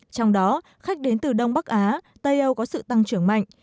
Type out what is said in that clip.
trong đó khách đến từ đông bắc á tây âu có sự tăng trưởng mạnh